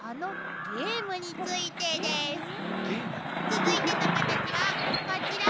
続いてのカタチはこちら！